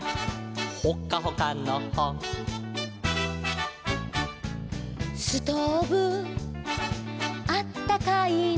「ほっかほかのほ」「ストーブあったかいな」